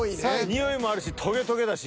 においもあるしとげとげだし。